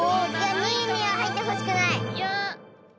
２いにははいってほしくない。